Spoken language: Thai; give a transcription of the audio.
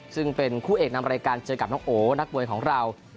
ซึ่งเป็นคู่เอกนำรายการเจอกับน้องโอนักมวยของเรา